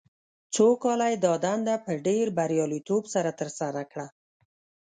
څو کاله یې دا دنده په ډېر بریالیتوب سره ترسره کړه.